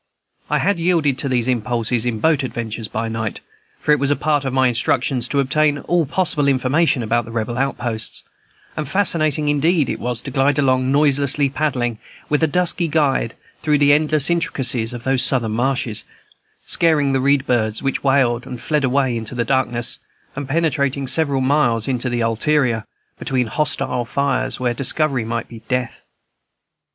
I had yielded to these impulses in boat adventures by night, for it was a part of my instructions to obtain all possible information about the Rebel outposts, and fascinating indeed it was to glide along, noiselessly paddling, with a dusky guide, through the endless intricacies of those Southern marshes, scaring the reed birds, which wailed and fled away into the darkness, and penetrating several miles into the ulterior, between hostile fires, where discovery might be death.